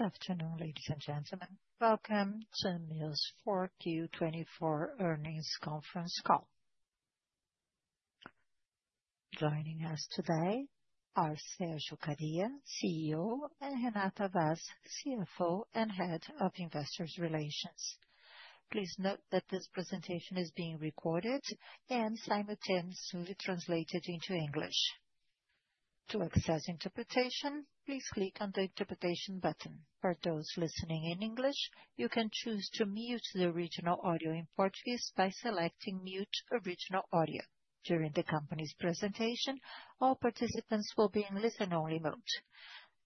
Good afternoon, ladies and gentlemen. Welcome to Mills 4Q24 earnings conference call. Joining us today are Sérgio Kariya, CEO, and Renata Vaz, CFO and head of investor relations. Please note that this presentation is being recorded and simultaneously translated into English. To access interpretation, please click on the interpretation button. For those listening in English, you can choose to mute the original audio in Portuguese by selecting "Mute original audio." During the company's presentation, all participants will be in listen-only mode.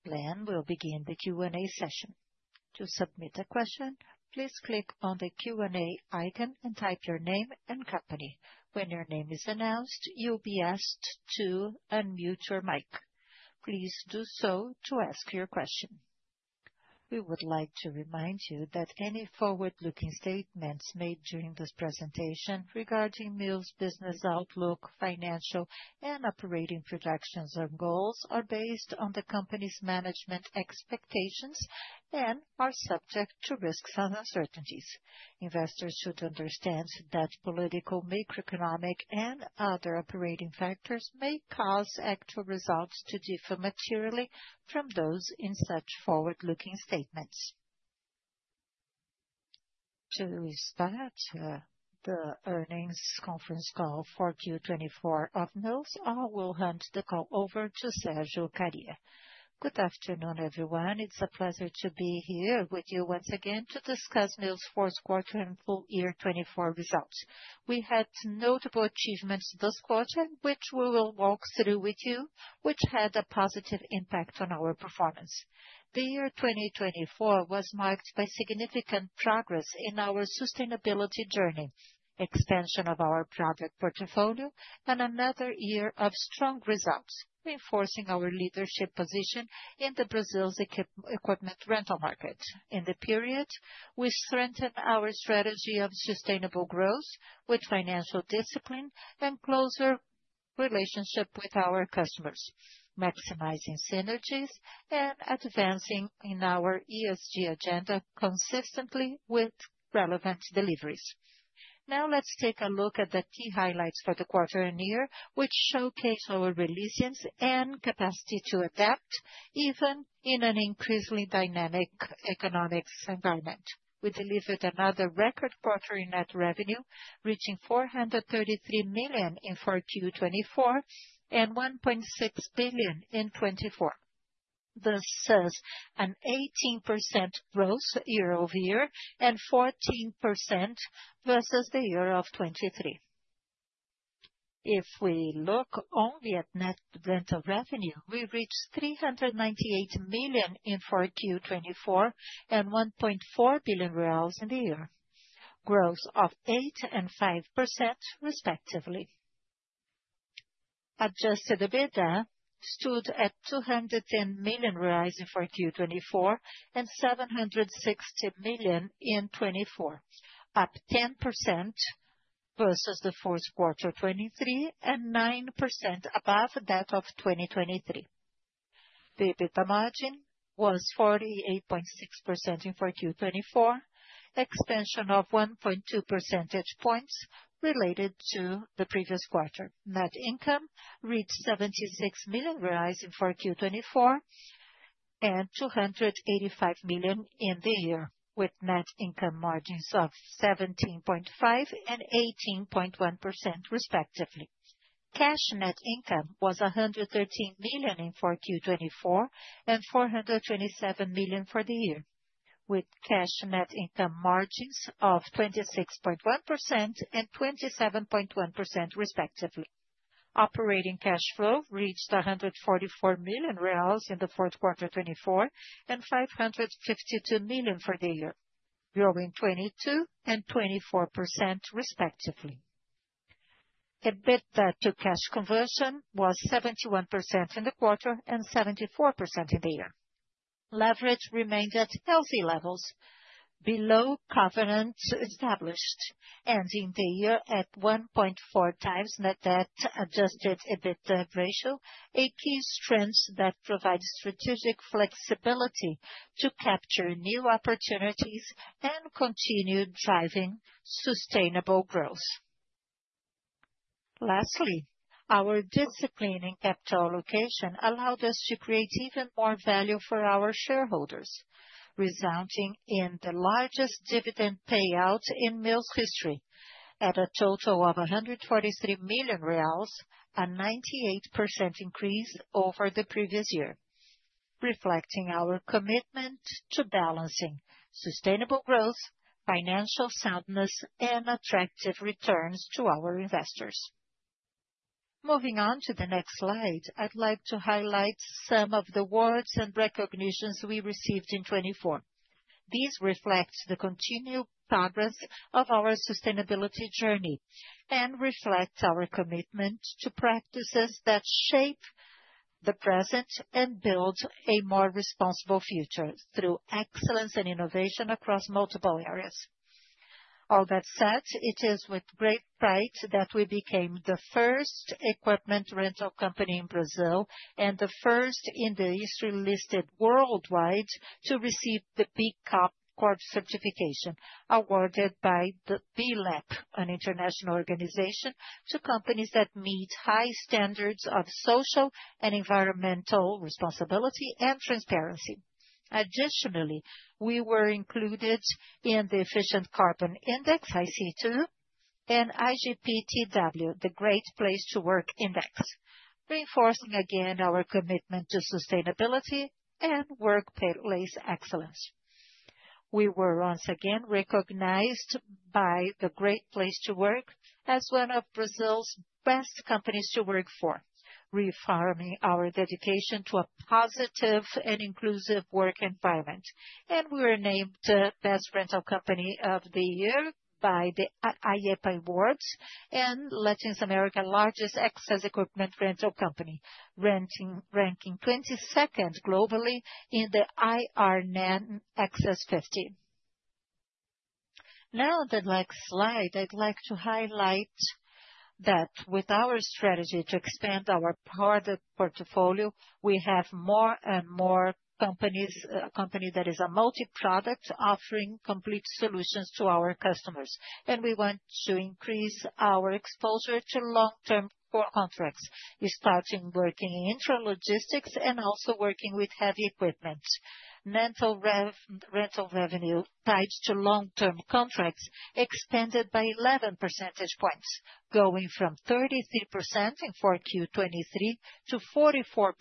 We will begin the Q&A session. To submit a question, please click on the Q&A icon and type your name and company. When your name is announced, you will be asked to unmute your mic. Please do so to ask your question. We would like to remind you that any forward-looking statements made during this presentation regarding Mills' business outlook, financial, and operating projections and goals are based on the company's management expectations and are subject to risks and uncertainties. Investors should understand that political, macroeconomic, and other operating factors may cause actual results to differ materially from those in such forward-looking statements. To start the earnings conference call for Q4 2024 of Mills, I will hand the call over to Sérgio Kariya. Good afternoon, everyone. It's a pleasure to be here with you once again to discuss Mills' fourth quarter and full year 2024 results. We had notable achievements this quarter, which we will walk through with you, which had a positive impact on our performance. The year 2024 was marked by significant progress in our sustainability journey, expansion of our project portfolio, and another year of strong results, reinforcing our leadership position in Brazil's equipment rental market. In the period, we strengthened our strategy of sustainable growth with financial discipline and closer relationships with our customers, maximizing synergies and advancing in our ESG agenda consistently with relevant deliveries. Now, let's take a look at the key highlights for the quarter and year, which showcase our resilience and capacity to adapt even in an increasingly dynamic economic environment. We delivered another record quarterly net revenue, reaching 433 million in 4Q24 and 1.6 billion in 2024. This is an 18% growth year-over-year and 14% versus the year of 2023. If we look only at net rental revenue, we reached 398 million in Q4 2024 and 1.4 billion reais in the year, growth of 8% and 5%, respectively. Adjusted EBITDA stood at 210 million in Q4 2024 and 760 million in 2024, up 10% versus the fourth quarter of 2023 and 9% above that of 2023. The EBITDA margin was 48.6% in Q4 2024, an expansion of 1.2 percentage points related to the previous quarter. Net income reached 76 million reais in Q4 2024 and 285 million in the year, with net income margins of 17.5% and 18.1%, respectively. Cash net income was 113 million in Q4 2024 and 427 million for the year, with cash net income margins of 26.1% and 27.1%, respectively. Operating cash flow reached 144 million reais in the fourth quarter of 2024 and 552 million for the year, growing 22% and 24%, respectively. EBITDA to cash conversion was 71% in the quarter and 74% in the year. Leverage remained at healthy levels, below covenants established, ending the year at 1.4 times net debt Adjusted EBITDA ratio, a key strength that provides strategic flexibility to capture new opportunities and continue driving sustainable growth. Lastly, our disciplined capital allocation allowed us to create even more value for our shareholders, resulting in the largest dividend payout in Mills' history, at a total of 143 million reais, a 98% increase over the previous year, reflecting our commitment to balancing sustainable growth, financial soundness, and attractive returns to our investors. Moving on to the next slide, I'd like to highlight some of the awards and recognitions we received in 2024. These reflect the continued progress of our sustainability journey and reflect our commitment to practices that shape the present and build a more responsible future through excellence and innovation across multiple areas. All that said, it is with great pride that we became the first equipment rental company in Brazil and the first in history listed worldwide to receive the B Corp certification awarded by the B Lab, an international organization to companies that meet high standards of social and environmental responsibility and transparency. Additionally, we were included in the Efficient Carbon Index, ICO2, and IGPTW, the Great Place to Work Index, reinforcing again our commitment to sustainability and workplace excellence. We were once again recognized by the Great Place to Work as one of Brazil's best companies to work for, reaffirming our dedication to a positive and inclusive work environment. We were named the Best Rental Company of the Year by the IAPA Awards and Latin America's largest access equipment rental company, ranking 22nd globally in the IRN Access 50. On the next slide, I'd like to highlight that with our strategy to expand our product portfolio, we have more and more companies—a company that is a multi-product offering complete solutions to our customers—and we want to increase our exposure to long-term contracts, starting working in intralogistics and also working with heavy equipment. Rental revenue tied to long-term contracts expanded by 11 percentage points, going from 33% in 4Q 2023 to 44%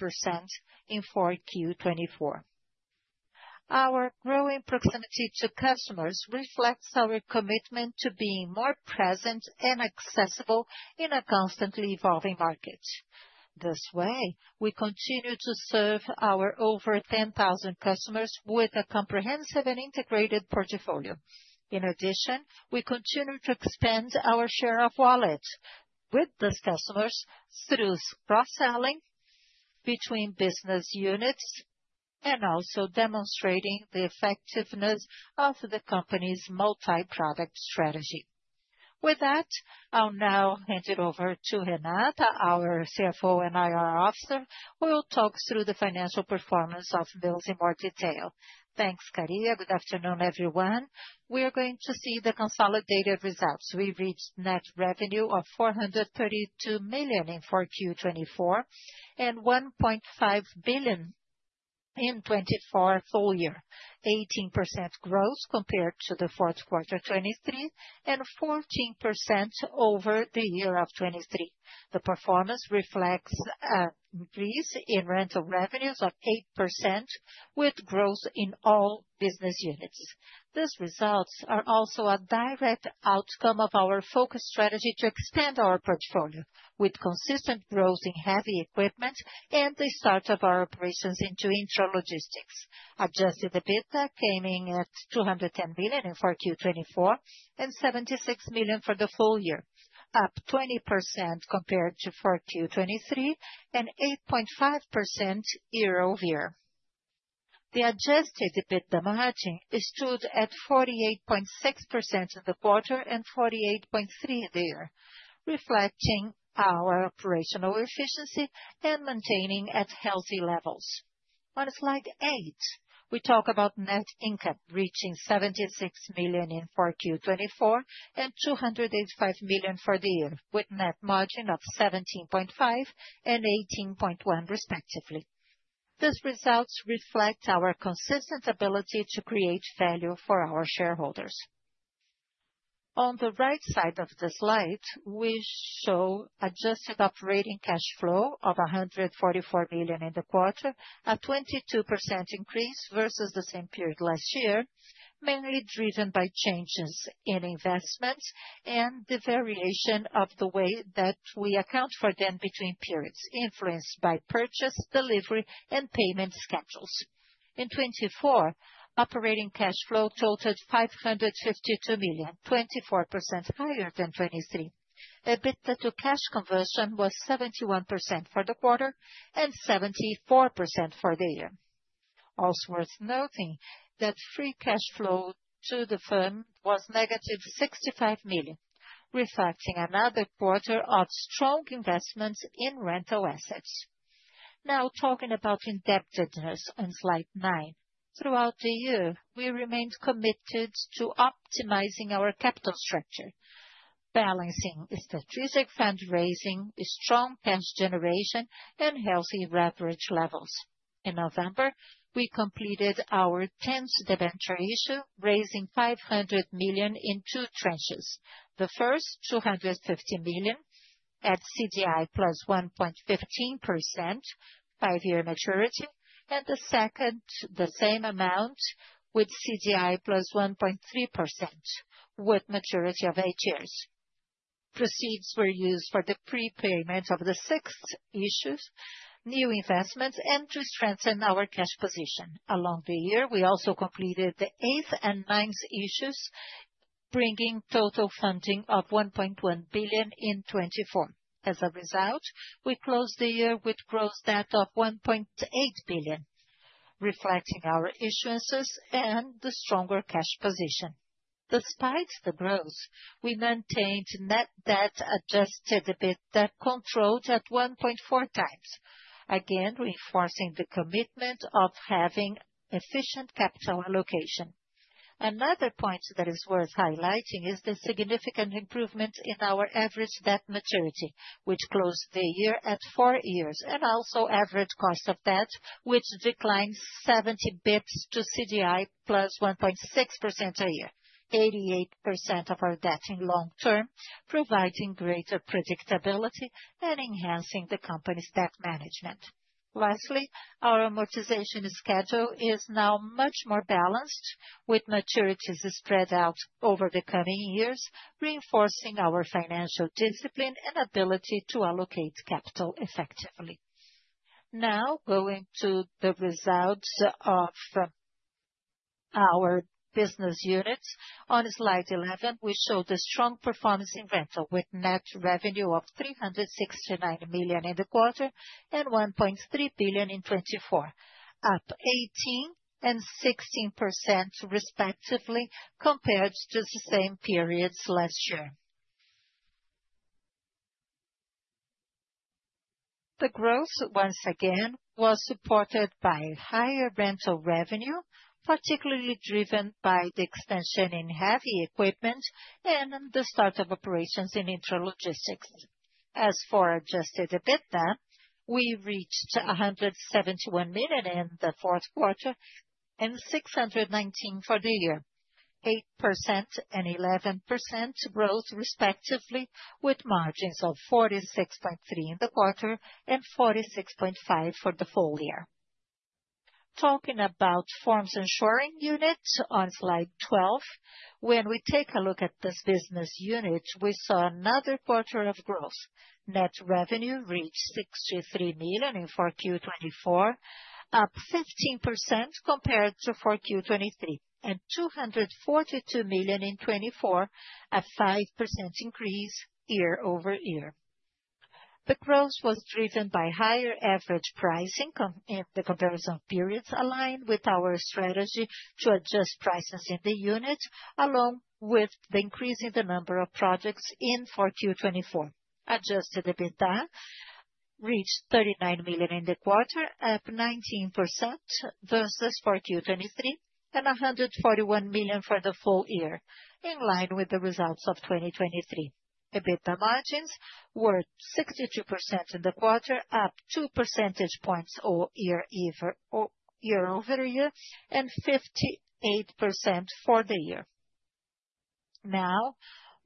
in 4Q 2024. Our growing proximity to customers reflects our commitment to being more present and accessible in a constantly evolving market. This way, we continue to serve our over 10,000 customers with a comprehensive and integrated portfolio. In addition, we continue to expand our share of wallet with these customers through cross-selling between business units and also demonstrating the effectiveness of the company's multi-product strategy. With that, I'll now hand it over to Renata, our CFO and IR officer, who will talk through the financial performance of Mills in more detail. Thanks, Kariya. Good afternoon, everyone. We're going to see the consolidated results. We reached net revenue of 432 million in Q4 2024 and 1.5 billion in the 2024 full year, 18% growth compared to the fourth quarter of 2023 and 14% over the year of 2023. The performance reflects an increase in rental revenues of 8% with growth in all business units. These results are also a direct outcome of our focus strategy to expand our portfolio with consistent growth in heavy equipment and the start of our operations into intralogistics. Adjusted EBITDA came in at 210 million in 4Q24 and 76 million for the full year, up 20% compared to 4Q23 and 8.5% year-over-year. The Adjusted EBITDA margin stood at 48.6% in the quarter and 48.3% in the year, reflecting our operational efficiency and maintaining at healthy levels. On slide 8, we talk about net income reaching 76 million in 4Q24 and 285 million for the year, with net margin of 17.5% and 18.1%, respectively. These results reflect our consistent ability to create value for our shareholders. On the right side of the slide, we show adjusted operating cash flow of 144 million in the quarter, a 22% increase versus the same period last year, mainly driven by changes in investments and the variation of the way that we account for them between periods, influenced by purchase, delivery, and payment schedules. In 2024, operating cash flow totaled 552 million, 24% higher than 2023. EBITDA to cash conversion was 71% for the quarter and 74% for the year. Also worth noting that free cash flow to the firm was negative 65 million, reflecting another quarter of strong investments in rental assets. Now, talking about indebtedness on slide 9, throughout the year, we remained committed to optimizing our capital structure, balancing strategic fundraising, strong cash generation, and healthy leverage levels. In November, we completed our 10th debenture issue, raising 500 million in two tranches. The first, 250 million at CDI plus 1.15%, five-year maturity, and the second, the same amount with CDI plus 1.3%, with maturity of eight years. Proceeds were used for the prepayment of the sixth issue, new investments, and to strengthen our cash position. Along the year, we also completed the eighth and ninth issues, bringing total funding of 1.1 billion in 2024. As a result, we closed the year with gross debt of 1.8 billion, reflecting our issuances and the stronger cash position. Despite the growth, we maintained net debt adjusted EBITDA controlled at 1.4 times, again reinforcing the commitment of having efficient capital allocation. Another point that is worth highlighting is the significant improvement in our average debt maturity, which closed the year at four years, and also average cost of debt, which declined 70 basis points to CDI plus 1.6% a year, 88% of our debt in long term, providing greater predictability and enhancing the company's debt management. Lastly, our amortization schedule is now much more balanced, with maturities spread out over the coming years, reinforcing our financial discipline and ability to allocate capital effectively. Now, going to the results of our business units, on slide 11, we show the strong performance in rental with net revenue of 369 million in the quarter and 1.3 billion in 2024, up 18% and 16%, respectively, compared to the same periods last year. The growth, once again, was supported by higher rental revenue, particularly driven by the extension in heavy equipment and the start of operations in intralogistics. As for Adjusted EBITDA, we reached 171 million in the fourth quarter and 619 million for the year, 8% and 11% growth, respectively, with margins of 46.3% in the quarter and 46.5% for the full year. Talking about Forms and Shoring unit on slide 12, when we take a look at this business unit, we saw another quarter of growth. Net revenue reached 63 million in 4Q 2024, up 15% compared to 4Q 2023, and 242 million in 2024, a 5% increase year-overyear. The growth was driven by higher average pricing in the comparison periods, aligned with our strategy to adjust prices in the unit, along with the increase in the number of projects in 4Q 2024. Adjusted EBITDA reached 39 million in the quarter, up 19% versus 4Q 2023, and 141 million for the full year, in line with the results of 2023. EBITDA margins were 62% in the quarter, up 2 percentage points year-over-year, and 58% for the year. Now,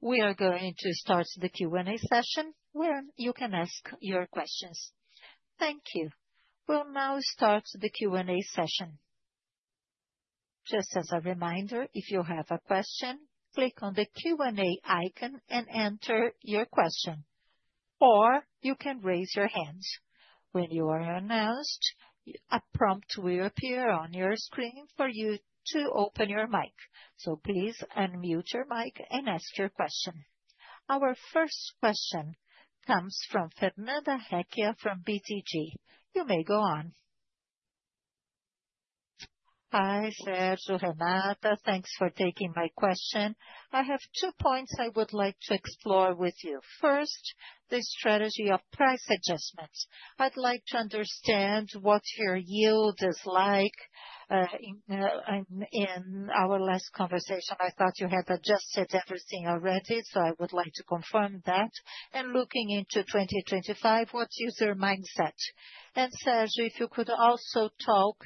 we are going to start the Q&A session where you can ask your questions. Thank you. We'll now start the Q&A session. Just as a reminder, if you have a question, click on the Q&A icon and enter your question, or you can raise your hand. When you are announced, a prompt will appear on your screen for you to open your mic. Please unmute your mic and ask your question. Our first question comes from Fernanda Recchia from BTG. You may go on. Hi, Sérgio, Renata. Thanks for taking my question. I have two points I would like to explore with you. First, the strategy of price adjustments. I would like to understand what your yield is like. In our last conversation, I thought you had adjusted everything already, so I would like to confirm that. Looking into 2025, what is user mindset? Sérgio, if you could also talk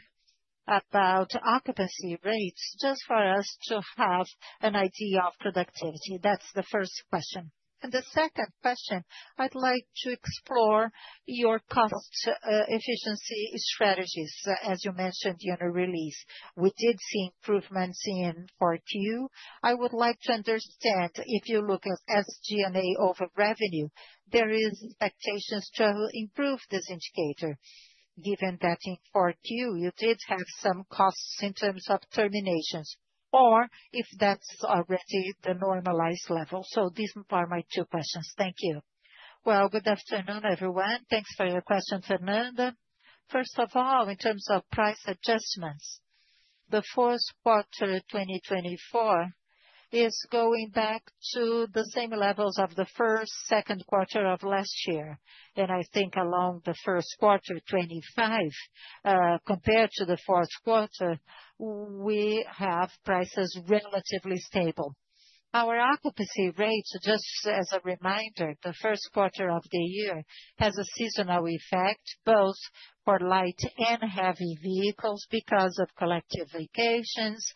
about occupancy rates, just for us to have an idea of productivity. That is the first question. The second question, I would like to explore your cost efficiency strategies, as you mentioned in a release. We did see improvements in Q4. I would like to understand if you look at SG&A over revenue, there are expectations to improve this indicator, given that in Q4 you did have some costs in terms of terminations, or if that's already the normalized level. These are my two questions. Thank you. Good afternoon, everyone. Thanks for your question, Fernanda. First of all, in terms of price adjustments, the fourth quarter of 2024 is going back to the same levels of the first, second quarter of last year. I think along the first quarter of 2025, compared to the fourth quarter, we have prices relatively stable. Our occupancy rates, just as a reminder, the first quarter of the year has a seasonal effect, both for light and heavy vehicles because of collective vacations,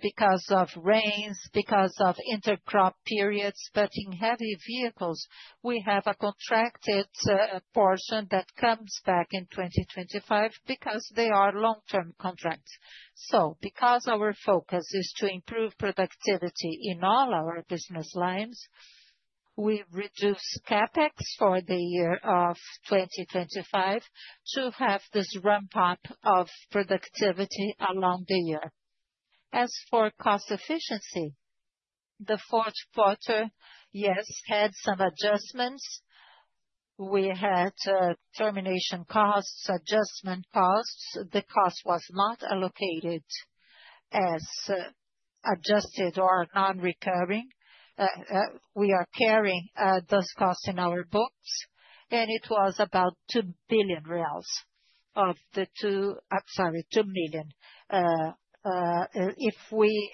because of rains, because of intercrop periods. In heavy vehicles, we have a contracted portion that comes back in 2025 because they are long-term contracts. Because our focus is to improve productivity in all our business lines, we reduce CapEx for the year of 2025 to have this ramp-up of productivity along the year. As for cost efficiency, the fourth quarter, yes, had some adjustments. We had termination costs, adjustment costs. The cost was not allocated as adjusted or non-recurring. We are carrying those costs in our books, and it was about 2 million reais. If we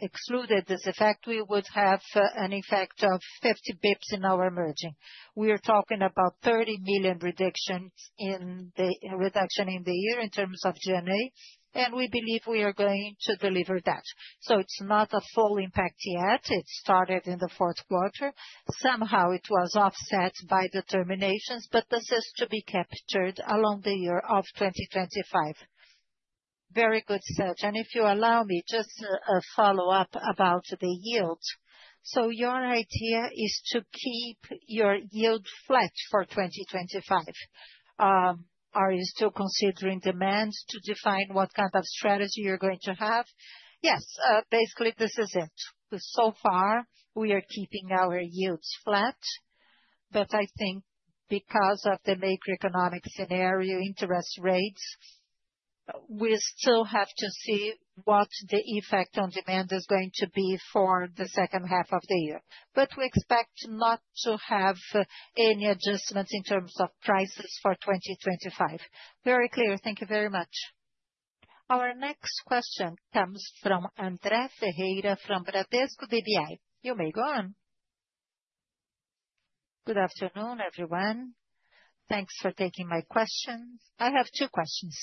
excluded this effect, we would have an effect of 50 basis points in our margin. We are talking about 30 million reduction in the reduction in the year in terms of G&A, and we believe we are going to deliver that. It is not a full impact yet. It started in the fourth quarter. Somehow, it was offset by the terminations, but this is to be captured along the year of 2025. Very good, Sérgio. If you allow me, just a follow-up about the yield. Your idea is to keep your yield flat for 2025. Are you still considering demand to define what kind of strategy you are going to have? Yes, basically, this is it. So far, we are keeping our yields flat, but I think because of the macroeconomic scenario, interest rates, we still have to see what the effect on demand is going to be for the second half of the year. We expect not to have any adjustments in terms of prices for 2025. Very clear. Thank you very much. Our next question comes from André Ferreira from Bradesco BBI. You may go on. Good afternoon, everyone. Thanks for taking my questions. I have two questions.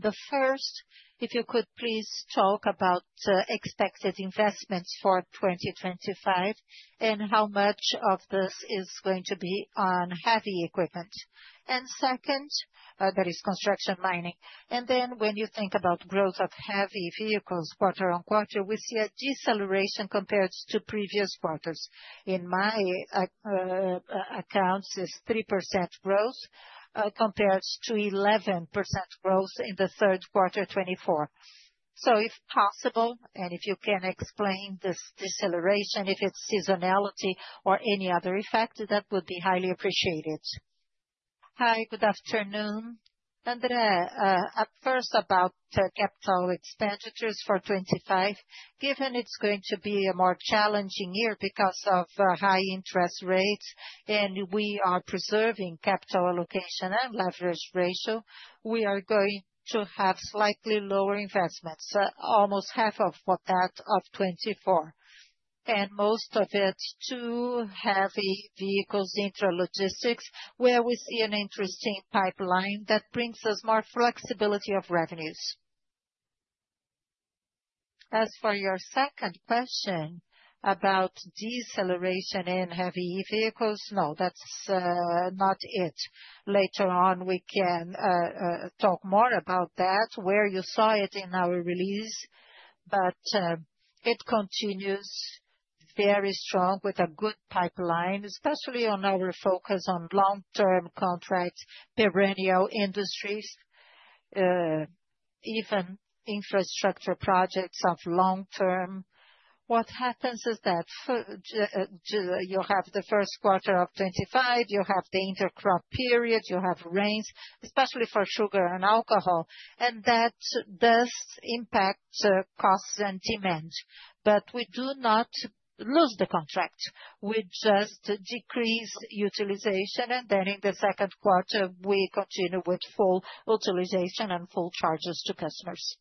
The first, if you could please talk about expected investments for 2025 and how much of this is going to be on heavy equipment. The second, that is construction, mining. When you think about growth of heavy vehicles quarter on quarter, we see a deceleration compared to previous quarters. In my accounts, it is 3% growth compared to 11% growth in the third quarter of 2024. If possible, and if you can explain this deceleration, if it is seasonality or any other effect, that would be highly appreciated. Hi, good afternoon. André, first about capital expenditures for 2025, given it's going to be a more challenging year because of high interest rates and we are preserving capital allocation and leverage ratio, we are going to have slightly lower investments, almost half of what that of 2024, and most of it to heavy vehicles intralogistics, where we see an interesting pipeline that brings us more flexibility of revenues. As for your second question about deceleration in heavy vehicles, no, that's not it. Later on, we can talk more about that, where you saw it in our release, but it continues very strong with a good pipeline, especially on our focus on long-term contracts, perennial industries, even infrastructure projects of long term. What happens is that you have the first quarter of 2025, you have the intercrop period, you have rains, especially for sugar and alcohol, and that does impact costs and demand. We do not lose the contract. We just decrease utilization, and then in the second quarter, we continue with full utilization and full charges to customers.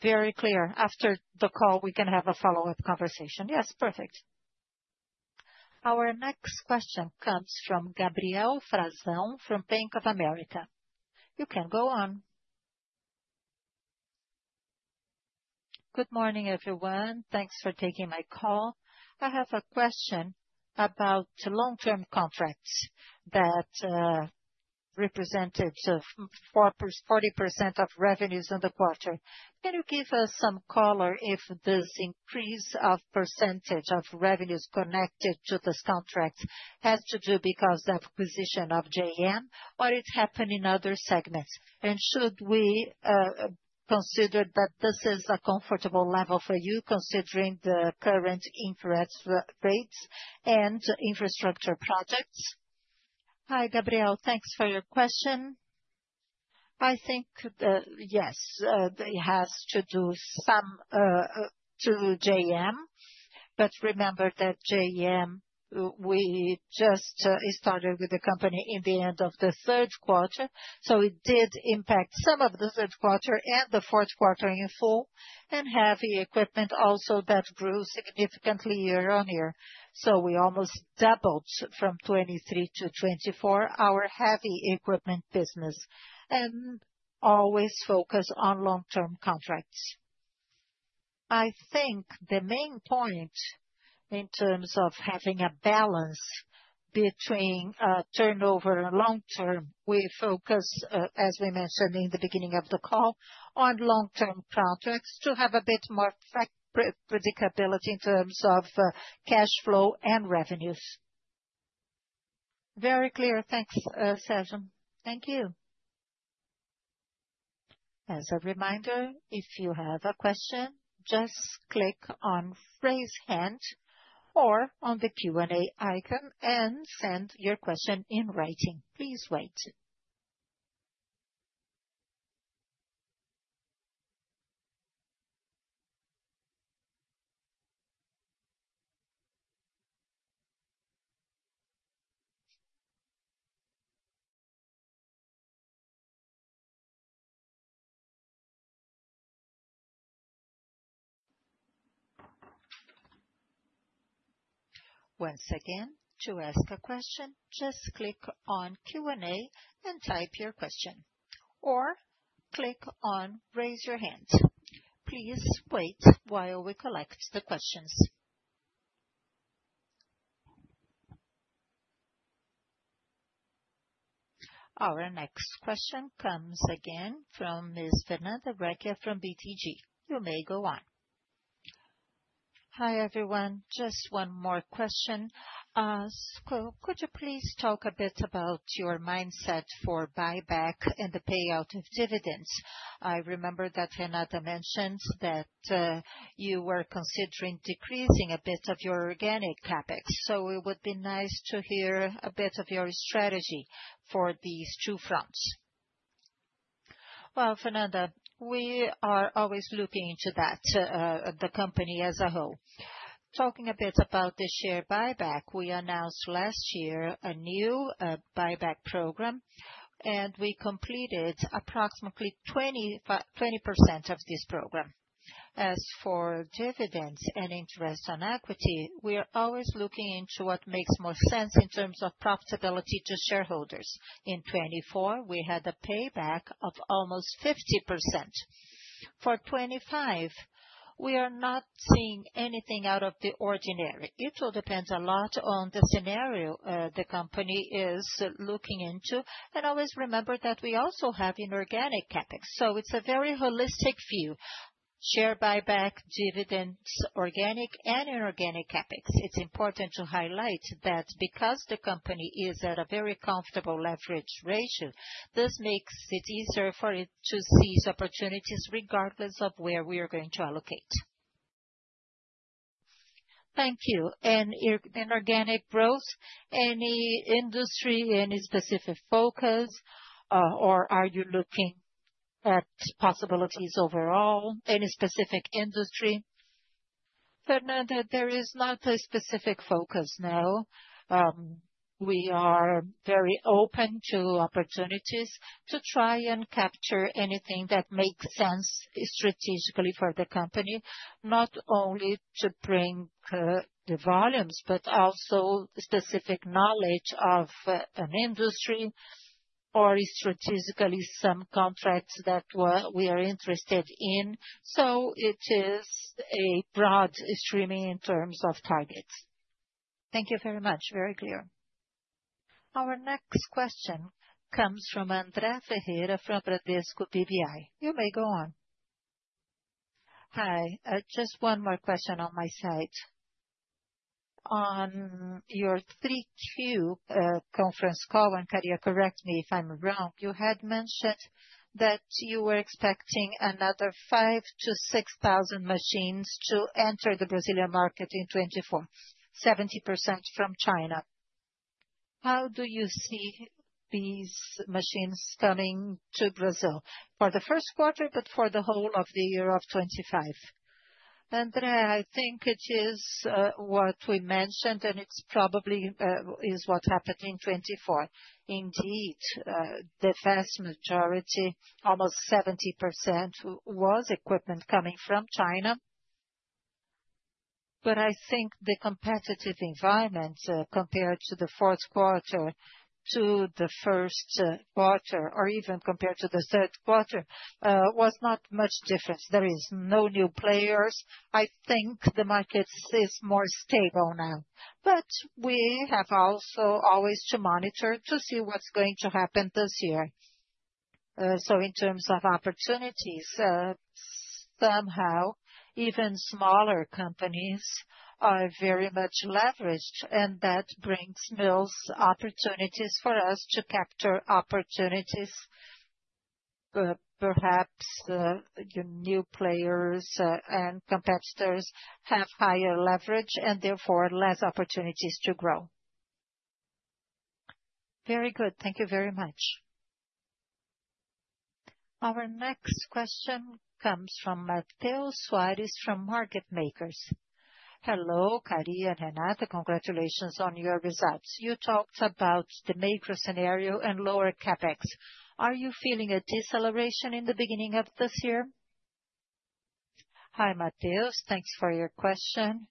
Very clear. After the call, we can have a follow-up conversation. Yes, perfect. Our next question comes from Gabriel Frazão from Bank of America. You can go on. Good morning, everyone. Thanks for taking my call. I have a question about long-term contracts that represented 40% of revenues in the quarter. Can you give us some color if this increase of percentage of revenues connected to this contract has to do because of acquisition of JM, or it is happening in other segments? Should we consider that this is a comfortable level for you considering the current interest rates and infrastructure projects? Hi, Gabriel. Thanks for your question. I think, yes, it has to do some to JM, but remember that JM, we just started with the company in the end of the third quarter, so it did impact some of the third quarter and the fourth quarter in full, and heavy equipment also that grew significantly year on year. We almost doubled from 2023 to 2024 our heavy equipment business and always focus on long-term contracts. I think the main point in terms of having a balance between turnover and long-term, we focus, as we mentioned in the beginning of the call, on long-term contracts to have a bit more predictability in terms of cash flow and revenues. Very clear. Thanks, Sérgio. Thank you. As a reminder, if you have a question, just click on raise hand or on the Q&A icon and send your question in writing. Please wait. Once again, to ask a question, just click on Q&A and type your question, or click on raise your hand. Please wait while we collect the questions. Our next question comes again from Ms. Fernanda Recchia from BTG. You may go on. Hi, everyone. Just one more question. Could you please talk a bit about your mindset for buyback and the payout of dividends? I remember that Renata mentioned that you were considering decreasing a bit of your organic CapEx. It would be nice to hear a bit of your strategy for these two fronts. Fernanda, we are always looking into that, the company as a whole. Talking a bit about the share buyback, we announced last year a new buyback program, and we completed approximately 20% of this program. As for dividends and interest on equity, we are always looking into what makes more sense in terms of profitability to shareholders. In 2024, we had a payback of almost 50%. For 2025, we are not seeing anything out of the ordinary. It all depends a lot on the scenario the company is looking into. Always remember that we also have inorganic CapEx. It is a very holistic view: share buyback, dividends, organic and inorganic CapEx. It is important to highlight that because the company is at a very comfortable leverage ratio, this makes it easier for it to seize opportunities regardless of where we are going to allocate. Thank you. Inorganic growth, any industry, any specific focus, or are you looking at possibilities overall, any specific industry? Fernanda, there is not a specific focus now. We are very open to opportunities to try and capture anything that makes sense strategically for the company, not only to bring the volumes, but also specific knowledge of an industry or strategically some contracts that we are interested in. It is a broad streaming in terms of targets. Thank you very much. Very clear. Our next question comes from André Ferreira from Bradesco BBI. You may go on. Hi. Just one more question on my side. On your 3Q conference call, and you correct me if I'm wrong, you had mentioned that you were expecting another 5,000-6,000 machines to enter the Brazilian market in 2024, 70% from China. How do you see these machines coming to Brazil for the first quarter, but for the whole of the year of 2025? André, I think it is what we mentioned, and it probably is what happened in 2024. Indeed, the vast majority, almost 70%, was equipment coming from China. I think the competitive environment compared to the fourth quarter to the first quarter, or even compared to the third quarter, was not much different. There are no new players. I think the market is more stable now. We have also always to monitor to see what's going to happen this year. In terms of opportunities, somehow, even smaller companies are very much leveraged, and that brings Mills opportunities for us to capture opportunities. Perhaps new players and competitors have higher leverage and therefore less opportunities to grow. Very good. Thank you very much. Our next question comes from Matheus Soares from Market Makers. Hello, Kariya and Renata. Congratulations on your results. You talked about the macro scenario and lower CapEx. Are you feeling a deceleration in the beginning of this year? Hi, Matheus. Thanks for your question.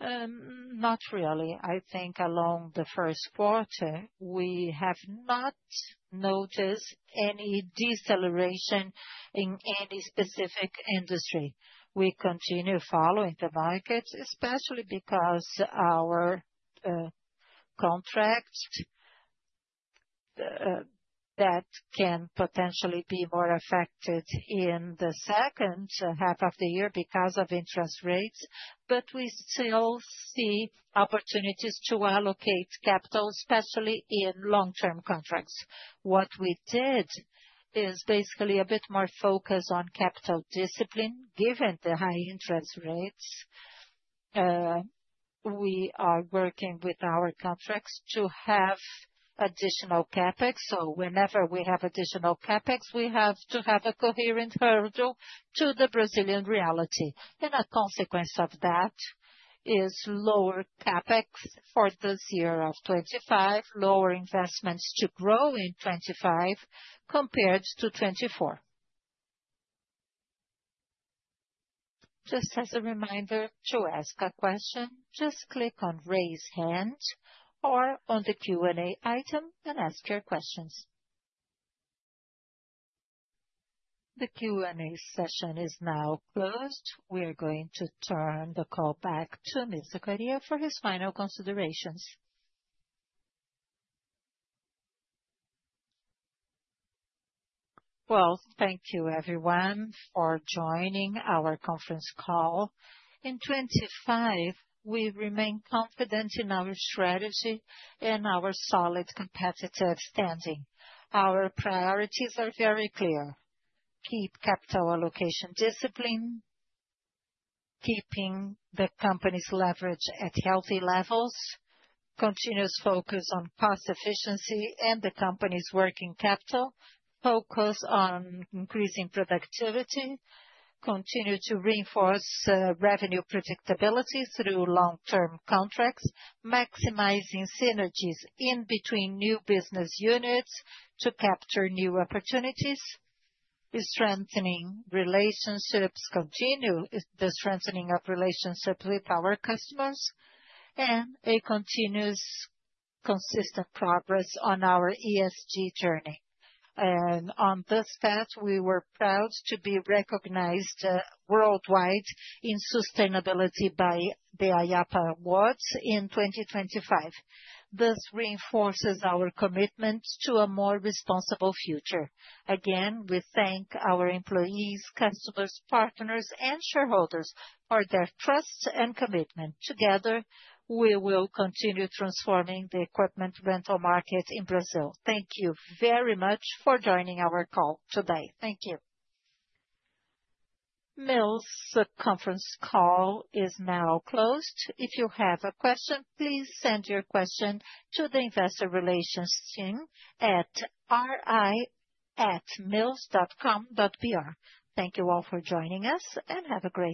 Not really. I think along the first quarter, we have not noticed any deceleration in any specific industry. We continue following the market, especially because our contract that can potentially be more affected in the second half of the year because of interest rates, but we still see opportunities to allocate capital, especially in long-term contracts. What we did is basically a bit more focus on capital discipline, given the high interest rates. We are working with our contracts to have additional CapEx. Whenever we have additional CapEx, we have to have a coherent hurdle to the Brazilian reality. A consequence of that is lower CapEx for this year of 2025, lower investments to grow in 2025 compared to 2024. Just as a reminder to ask a question, just click on raise hand or on the Q&A item and ask your questions. The Q&A session is now closed. We are going to turn the call back to Mr. Kariya for his final considerations. Thank you, everyone, for joining our conference call. In 2025, we remain confident in our strategy and our solid competitive standing. Our priorities are very clear. Keep capital allocation discipline, keeping the company's leverage at healthy levels, continuous focus on cost efficiency and the company's working capital, focus on increasing productivity, continue to reinforce revenue predictability through long-term contracts, maximizing synergies in between new business units to capture new opportunities, strengthening relationships, continue the strengthening of relationships with our customers, and a continuous consistent progress on our ESG journey. On this path, we were proud to be recognized worldwide in sustainability by the IAPA Awards in 2025. This reinforces our commitment to a more responsible future. Again, we thank our employees, customers, partners, and shareholders for their trust and commitment. Together, we will continue transforming the equipment rental market in Brazil. Thank you very much for joining our call today. Thank you. Mills' conference call is now closed. If you have a question, please send your question to the investor relations team at ri@mills.com.br. Thank you all for joining us and have a great day.